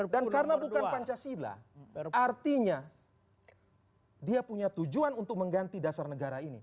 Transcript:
dan karena bukan pancasila artinya dia punya tujuan untuk mengganti dasar negara ini